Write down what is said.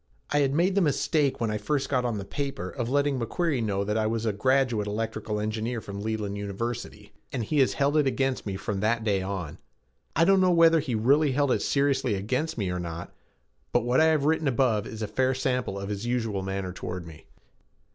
I had made the mistake when I first got on the paper of letting McQuarrie know that I was a graduate electrical engineer from Leland University, and he had held it against me from that day on. I don't know whether he really held it seriously against me or not, but what I have written above is a fair sample of his usual manner toward me.